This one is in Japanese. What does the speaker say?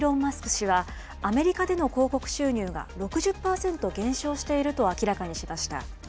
氏は、アメリカでの広告収入が６０％減少していると明らかにしました。